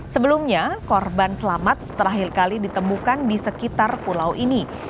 sebelumnya korban selamat terakhir kali ditemukan di sekitar pulau ini